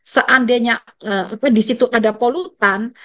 seandainya disitu ada polutan